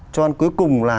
cho nên cuối cùng là